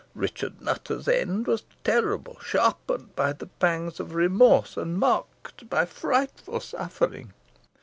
Richard Nutter's end was terrible, sharpened by the pangs of remorse, and marked by frightful suffering.